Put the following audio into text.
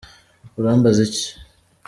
Urambaza iki?